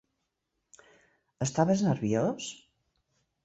Estaves nerviós?